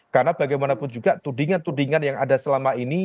karena bagaimanapun juga tudingan tudingan yang ada selama ini